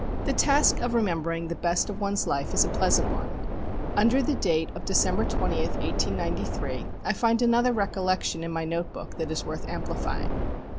The task of remembering the best of one's life is a pleasant one. Under date of December 20, 1893, I find another recollection in my note book that is worth amplifying.